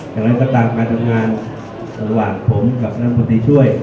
อย่างไรก็ตามการทำงานระหว่างผมกับรัฐมนตรีช่วย